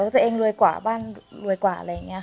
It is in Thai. ตัวเองรวยกว่าบ้านรวยกว่าอะไรอย่างนี้ค่ะ